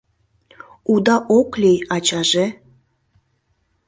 — Уда ок лий, ачаже?